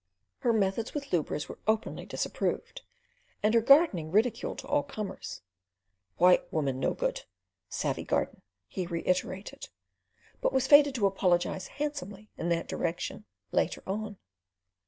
Her methods with lubras were openly disapproved, and her gardening ridiculed to all comers: "White woman no good, savey gard'n," he reiterated, but was fated to apologise handsomely in that direction later on.